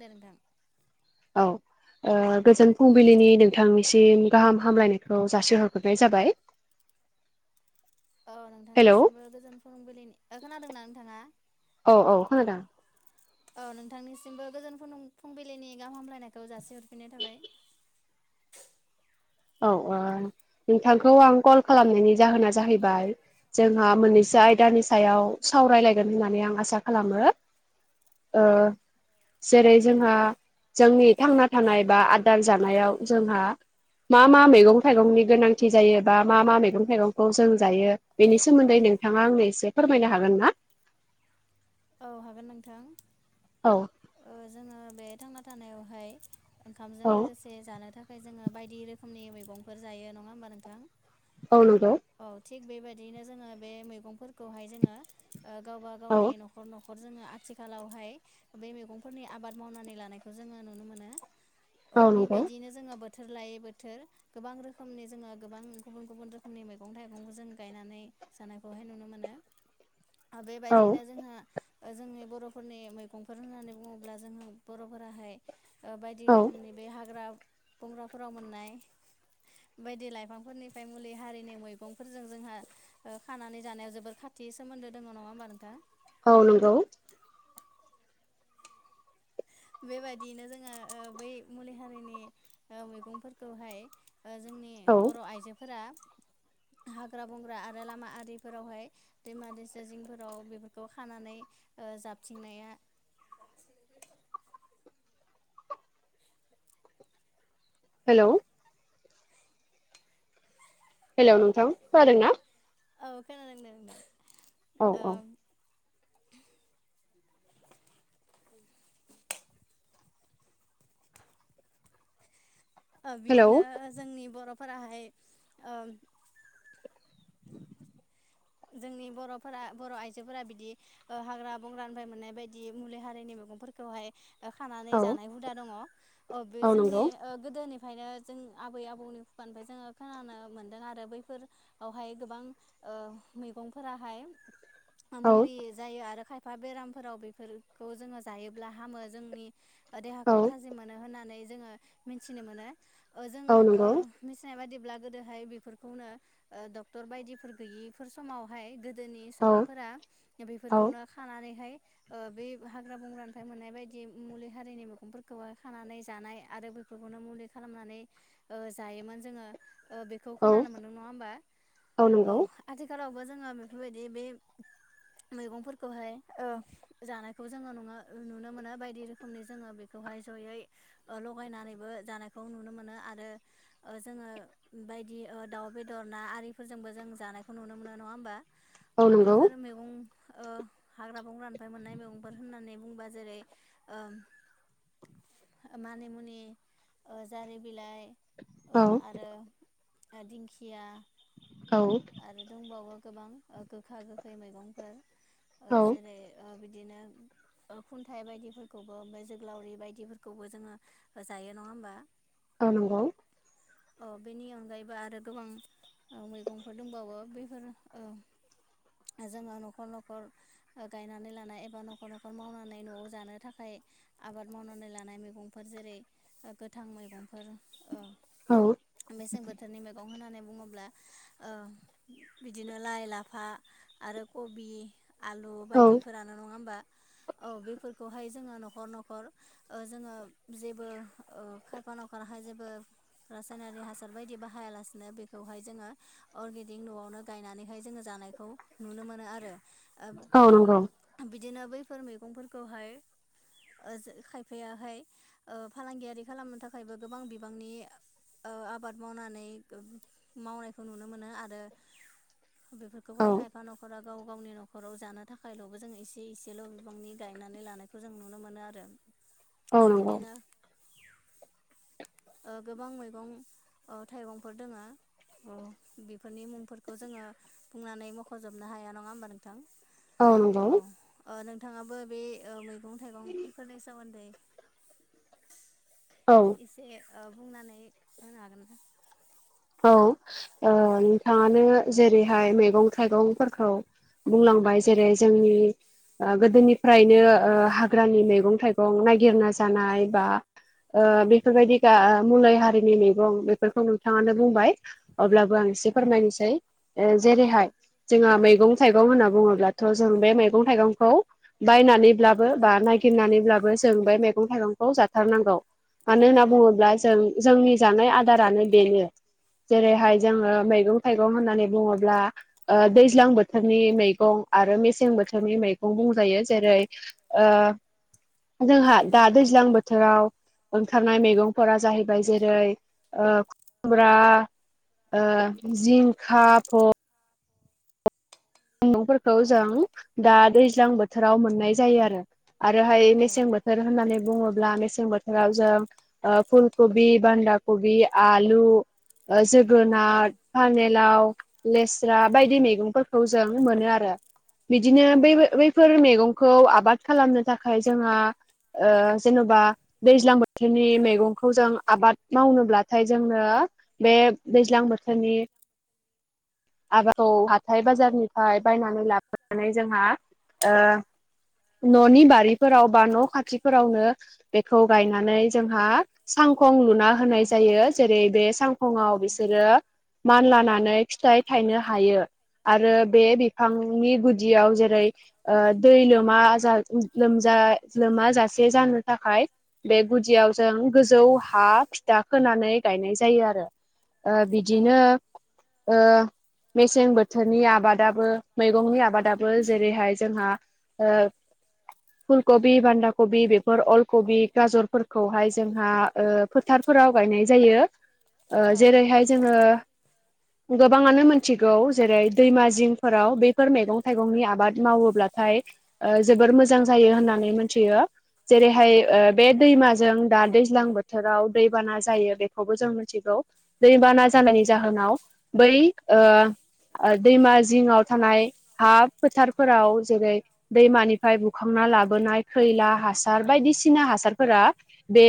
दे नोंथां औ। गोजोन फुंबिलिनि नोंथांनिसिम गाहाम हामलायनायखौ जासिहरग्रोनाय जाबाय [inaudible] औ हेलौ नोंथांनिसिमबो गोजोन फोरोंबिलिनि खोनादोंना नोंथाङा? औ औ खोनादों औ नोंथांनिसिमबो गोजोन फुंबिलिनि गाहाम हामलायनायखौ जासिहरफिननाय थाबाय औ नोंथांखौ आं कल खालामनायनि जाहोना जाहैबाय जोंहा मोननैसो आयदानि सायाव सावरायलायगोन होननानै आं आसा खालामो ओ औ जेरै जोंहा जोंनि थांना थानाय बा आदार जानायाव जोंहा मा मा मैगं थाइगंनि गोनांथि जायोबा मा मा मैगं थाइगंखौ जों जायो बेनि सोमोन्दै नोंथाङा आंनो एसे फोरमायनो हागोन ना? औ हागोन नोंथां औ जोङो बे थांना थानायावहाय ओंखामजों औ लोगोसे जानो थाखाय ओमफ्राय जोङो बायदि रोखोमनि मैगंफोर जायो नङा होमबा नोंथां? औ नंगौ औ थिग बेबायदिनो जोङो बे मैगंफोरखौहाय जोङो ओ गावबा औ गावनि न'खर न'खर न'खर जोङो आथिखालावहाय बे मैगंफोरनि आबाद मावनानै लानायखौ जोङो नुनो मोनो अ औ नंगौ बेबायदिनो जोङो बोथोर लायै बोथोर गोबां रोखोमनि जोङो गोबां गुबुन गुबुन रोखोमनि मैगं थाइगंबो जों गायनानै जानायखौहाय नुनो मोनो औ बेबायदिनो जोंहा जोंनि बर'फोरनि मैगंफोर होननानै बुङोब्ला जोङो बर'फोराहाय बायदि औ रोखोमनि बे हाग्रा बंग्राफोराव मोननाय बायदि लाइफांफोरनिफ्राय मुलि हारिनि मैगंफोरजों जोंहा खानानै जानायाव जोबोर खा थि सोमोन्दो दङ नङा होमबा नोंथां औ नंगौ बेबायदियैनो जोङो बै मुलि हारिनि मैगंफोरखौहाय जोंनि औ बर' आइजोफोरा हाग्रा बंग्रा आरो लामा आरिफोरावहाय दैमा दैसा जिंफोराव बेफोरखौ खानानै जाबथिंनाया [inaudible] हेलौ हेलौ नोंथां खोनादों ना? [inaudible] औ खोनादों औ ओ औ [inaudible] ओ हेलौ बिदिनो जोंनि बर'फोराहाय ओम जोंनि बर'फोरा बर' आइजोफोरा बिदि ओ हाग्रा बंग्रानिफ्राय मोननाय बायदि मुलि हारिनि मैगंफोरखौहाय ओ खानानै औ जानाय हुदा दङ बे औ जोंनि नंगौ गोदोनि ओंखायनो जों आबै आबौनि खुगानिफ्राय जोङो खोनानो मोनदों आरो बैफोर आवहाय गोबां ओ मैगंफोराहाय औ मुलि जायो आरो खायफा बेरामफोराव बेफोरखौ जोङो जायोब्ला हामो जोंनि औ देहाखौ था जिममोनो होननानै जोङो मिथिनो मोनो जों औ ओ नंगौ मिथिनाय बादिब्ला गोदोहाय बेफोरखौनो डक्टर बायदिफोर गैयैफोर समावहाय गोदोनि औ सुबुंफोरा औ बेफोरखौनो खानानैहाय ओ बे हाग्रा बंग्रानिफ्राय मोननाय बायदि मुलि हारिनि मैगंफोरखौ खानानै जानाय आरो फोरखौनो मुलि खालामनानै ओ जायोमोन जोङो ओ बेखौ औ खोनानो मोनदों नङा होमबा औ आथिखालावबो जोङो बेफोरबायदि बे मैगंफोरखौहाय ओ जानायखौ जोङो नुनो मोनो बायदि रोखोमनि जोङो बे खौहाय जयै ओ लगायनानैबो जानायखौ नुनो मोनो आरो ओ जोङो बायदि ओ दाउ बेदर ना आरिफोरजोंबो जों जानाय खौ नुनो मोनो नङा होमबा औ नंगौ बेफोर उम ओ हाग्रा बंग्रानिफ्राय मोननाय मैगंफोर होननानै बुङोबा जेरै ओ मानि मुनि जारि बिलाइ औ ओ आरो दिंखिया औ आरो दंबावो ओ गोबां गोखा गोखै मैगंफोर ओ औ जेरै ओ बिदिनो खुन्थाइ बायदिफोरखौबो ओमफ्राय जोगोलावरि बायदिफोरखौबो जोङो ओ जायो नङा होमबा। ओ नंगौ। अ बेनि अनगायैबो आरो गोबां ओ मैगं फोर दंबावो बेफोर ओ जोङो न'खर न'खर ओ गायनानै लानाय एबा न'खर न'खर मावनानै न'आव जानो थाखाय आबाद मावनानै लानाय मैगंफोर जेरै गोथां मैगंफोर ओ औ मेसें बोथोरनि मैगं होननानै बुङोब्ला ओ बिदिनो लाइ लाफा आरो कबि आलु औ बायदिफोरा नङा होमबा औ बेफोरखौहाय जोङो न'खर न'खर ओ जोङो जेबो ओ खायफानावखहाय जेबो रासायनारि हासार बायदि बाहायालासिनो बेखौहाय जोङो अर्गेनिक न'आवनो गायनानैहाय जोङो जानायखौ नुनो मोनो आरो औ नंगौ ओब बिदिनो बैफोर मैगंफोरखौहाय ओ जों खायफायाहाय ओ फालांगियारि खालामनो थाखायबो गोबां बिबांनि ओ आबाद मावनानै गोब मावनायखौ नुनो मोनो आरो बेफोरखौहाय औ खायफा न'खराव गाव गावनि न'खराव जानो थाखायल'बो जों एसे एसेल' बिबांनि गायनानै लानायखौ जों नुनो मोनो आरो ओ औ नंगौ बिदिनो ओ गोबां मैगं ओ थाइगंफोर दोङो बेफोरनि मुंफोरखौ जोङो बुंनानै मख'जोबनो हाया नङा होमबा नोंथां। औ ओक् नोंथाङाबो बे ओ मैगं थाइगंफोरनि सोमोन्दै [inaudible] औ एसे ओ बुंनानै होनो हागोन। औ ओ नोंथाङानो जेरैहाय मैगं थाइगंफोरखौ बुंलांबाय जेरै जोंनि गोदोनिफ्रायनो हाग्रानि मैगं थाइगं गं नागिरना जानाय बा ओ बेफोरबायदि मुलै हारिनि मैगं बेफोरखौ नोंथाङानो बुंबाय अब्लाबो आं औ एसे फोरमायनोसै जेरैहाय जोंहा मैगं थाइगं होनना बुङोब्लाथ' जों बे मैगं थाइगंखौ बायनानैब्लाबो बा नागिरनानैब्लाबो जों बे मैगं थाइगंखौ जाथारनांगौ मानो होनना बुङोब्ला जों जोंनि जानाय आदारानो बेनो जेरैहाय जोङो मैगं थाइगं होननानै बुङोब्ला ओ दैज्लां बोथोरनि मैगं आरो मेसें बोथोरनि मैगं बुंजायो जेरै जोंहा दा दैज्लां बोथोराव ओंखारनाय मैगंफोरा जाहैबाय जेरै खुमब्रा जिंखा गंफोरखौ जों दा दैज्लां बोथोराव मोननाय जायो आरो आरोहाय मेसें बोथोर बोथोर होननानै बुङोब्ला मेसें बोथोराव जों फुलकबि बान्दा कबि आलु ओ जो गोनार फानलाव लेस्रा बायदि मैगंफोरखौ जों मोनो आरो बिदिनो बे बैफोर मैगंखौ आबाद खालामनो थाखाय जोंहा जेन'बा दैज्लां बोथोरनि मैगंखौ जों आबाद। मावनोब्लाथाय जोंनो बे दैज्लां बोथोरनि आबादखौ हाथाय बाजारनिफ्राय बायनानै लाबोनानै जोंहा ओ न'नि बारिफोराव बा न' खाथिफोरावनो। बेखौ गायनानै जोंहा सांखं लु ना होनायजायो जेरै बे औ सांखंआव बिसोरो मानलानानै फिथाय थायनो हायो आरो बे बिफांनि गुदियाव जेरै दै लोमा लोमा लोमाजासे जानो थाखाय बे गुदियाव जों गोजौ हा फिथा खोनानै गायनाय जायो आरो बिदिनो ओ मेसें बोथोरनि आबादाबो मैगंनि आबादाबो जेरैहाय जोंहा। ओ फुलकबि बान्दा कबि बेफोर अलकबि गाजरफोरखौहाय जोंहा ओ फोथारफोराव गायनाय जायो जेरैहाय जोङो गोबाङानो मोन मिथिगौ जेरै दैमा जिंफोराव बेफोर मैगं थाइगंनि आबाद मावोब्लाथाय। जोबोर मोजां जायो होननानै मिथियो जेरैहाय बे दैमाजों दा दै दैलां बोथोराव दैबाना जायो बेखौबो जों मिथिगौ। जेनेबा ना जानायनि जाहोनाव बै ओ ओ दैमा जिङाव थानाय हा फोथारफोराव जेरै दैमानिफ्राय बुखांना लाबोनाय खैला हासार बायदिसिना हासारफोरा बे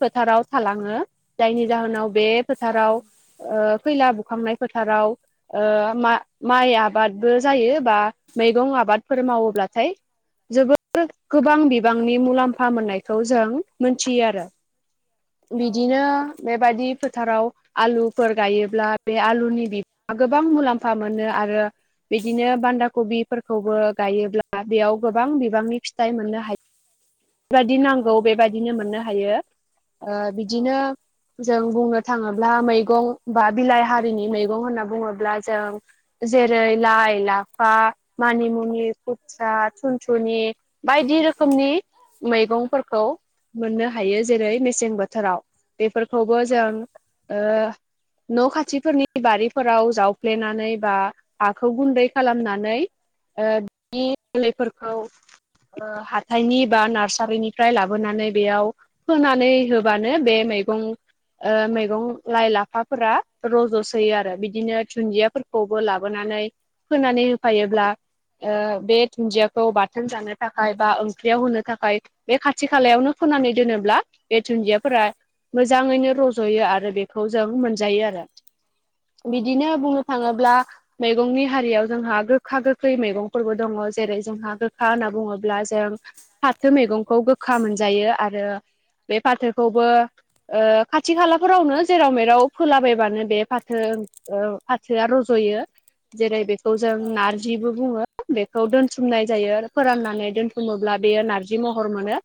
फोथाराव थालाङो जायनि जाहोनाव बे औ फोथाराव ओ फैला बुखांनाय फोथाराव ओ मा माइ आबादबो जायो बा मैगं आबादफोर मावोब्लाथाय जोबोर गोबां बिबांनि मुलाम्फा मोननायखौ जों मोनथियो आरो औ बिदिनो नंगौ बेबायदि फोथाराव आलुफोर गायोब्ला बे आलुनि बि गोबां मुलाम्फा मोनो आरो बिदिनो बान्दा कबिफोरखौबो गायोब्ला बेयाव गोबां बिबांनि फिथाइ मोननो हायो बेबायदि औ नांगौ नंगौ बेबायदिनो मोननो हायो औ बिदिनो जों बुंनो थाङोब्ला मैगं बा बिलाइ हारिनि मैगं होनना बुङोब्ला जों जेरै लाइ लाफा मानिमुनि खुथ्रा थुनथुनि बायदि रोखोमनि मैगंफोरखौ मोननो हायो जेरै मेसें बोथोराव बेफोरखौबो जों। न' खाथिफोरनि बारिफोराव जावफ्लेनानै बा हाखौ गुन्दै खालामनानै बि जोलैफोरखौ। हाथाइनि बा नार। नारसारिनिफ्राय लाबोनानै बेयाव फोनानै होबानो बे मैगं मैगं लाइ लाफाफोरा रज' सोयो आरो बिदिनो दुुनन्दिया खौबो लाबोनानै फोनानै होफैयोब्ला। बे दुन्दियाखौ बाथोन जानो थाखाय बा ओंख्रियाव होनो थाखाय बे खाथि खालायावनो फोनानै दोनोब्ला बे दुन्दियाफोरा मोजाङैनो रज'यो आरो बेखौ जों मोनजायो आरो। औ बिदिनो बुंनो थाङोब्ला। मैगंनि हारियाव जोंहा गोखा गोखै मैगंफोरबो दङ जेरै जोंहा गोखा होनना बुङोब्ला जों फाथो मैगंखौ गोखा मोनजायो आरो बे फाथोखौबो खाथि खालाफोरावनो जेराव मेराव फोलाबायबानो बे फाथो फाथोआ रज'यो जेरै बे बे जों औ नारजिबो बुङो बेखौ दोनथुमनाय जायो फोराननानै दोनथुमोब्ला बेयो नारजि महर मोनो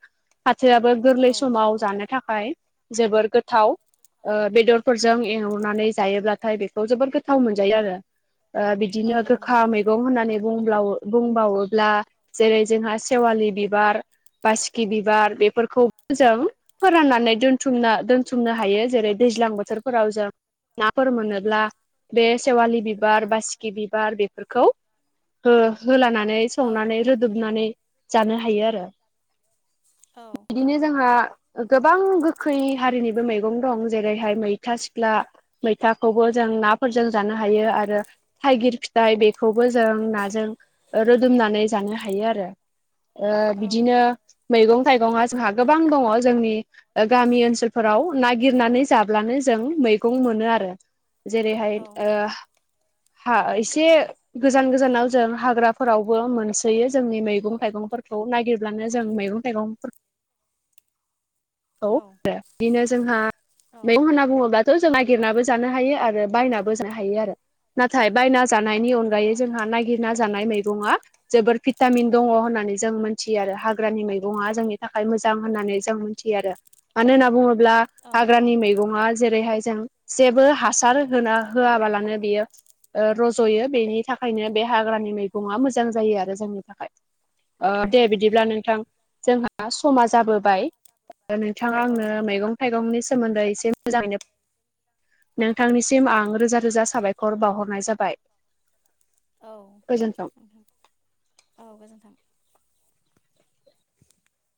फाथोआबो औ गोरलै समाव जानो थाखाय जोबोर गोथाव बेदरफोरजों एवनानै जायोब्लाथाय बेखौ जोबोर गोथाव मोनजायो आरो औ बिदिनो नंगौ गोखा मै मैगं होननानै बुं बुंबावोब्ला जेरै जोंहा सेवालि बिबार। बासिकि बिबार बेफोरखौ जों। फोराननानै दोनथुमनो दोनथुमनो हायो जेरै दैज्लां बोथोरफोराव जों नाफोर मोनोब्ला बे सेवालि बिबार बा सिखि बिबार बेफोरखौ। होलानानै औ संनानै रोदोमनानै जानो हायो आरो। औ बिदिनो जोंहा गोबां गोखै हारिनिबो मैगं दं जेरैहाय मैथा सिख्ला मैथाखौबो जों नाफोरजों जानो हायो आरो थाइगिर फिथाइ बेखौबो जों नाजों रोदोमनानै जानो हायो आरो औ बिदिनो मैगं थाइगंया जोंहा गोबां दङ जोंनि गामि ओनसोलफोराव नागिरनानै जाब्लानो जों मैगं मोनो आरो जेरैहाय औ नंगौ औ ओ नंगौ हा एसे। गोजान गोजानाव जों हाग्राफोरावबो मोनसोयो जोंनि मैगं थाइगंफोरखौ। खौ नागिरब्लानो जों मैगं थाइगं फोरखौ। औ आरो बिदिनो जोंहा औ मैगं होनना बुङोब्लाथ' जों नागिरनाबो जानो हायो आरो बायनाबो जानो हायो आरो। नाथाय बायना जानायनि औ अनगायै जोंहा नागिरना जानाय मैगंया जोबोर भिटामिन दङ होननानै जों मोनथियो आरो हाग्रानि मैगङा जोंनि थाखाय मोजां होननानै जों मोनथियो आरो। मानो होनना बुङोब्ला हाग्रानि मैगं मैगङा जेरैहाय जों जेबो हासार होना होआबालानो बियो। रज'यो बेनि थाखायनो बे हाग्रानि मैगंया मोजां जायो आरो जोंनि थाखाय। दे बिदिब्ला नोंथां जोंहा समा जाबोबाय। औ नोंथाङा औ आंनो नंगौ मैगं थाइगंनि सोमोन्दै एसे मोजाङैनो। नोंथांनिसिम आं रोजा रोजा साबायखर बावहरनाय जाबाय। औ गोजोनथों। थों। औ गोजोन्थों।